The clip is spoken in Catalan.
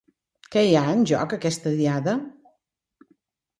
Què hi ha en joc aquesta Diada?